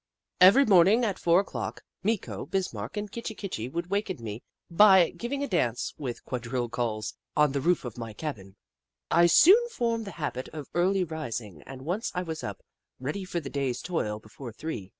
Every morning, at four o'clock, Meeko, Bis marck, and Kitchi Kitchi would waken me by giving a dance, with quadrille calls, on the roof 94 The Book of Clever Beasts of my cabin. I soon formed the habit of early rising and once I was up, ready for the day's toil, before three.